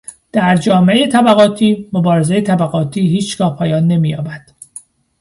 در جامعهٔ طبقاتی مبارزهٔ طبقاتی هیچگاه پایان نمییابد.